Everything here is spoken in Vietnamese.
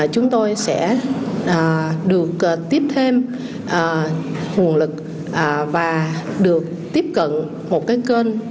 chúng tôi sẽ được tiếp thêm nguồn lực và được tiếp cận một cái kênh